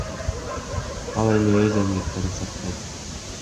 Ал эми өз эмгектерин сатпайт.